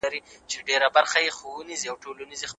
مادي ژبه د پوهې په رسولو کې مرسته کوي.